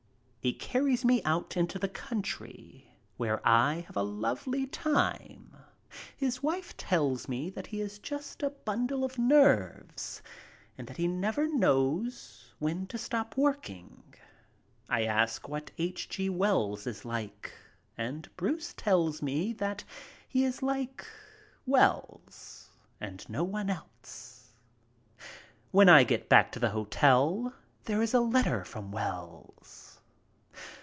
He carries me out into the country, where I have a lovely time. His wife tells me that he is just a bundle of nerves and that he never knows when to stop working. I ask what H. G. Wells is like and Bruce tells me that he is like "Wells" and no one else. When I get back to the hotel there is a letter from Wells.